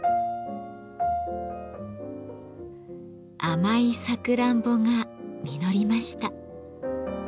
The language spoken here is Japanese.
甘いサクランボが実りました。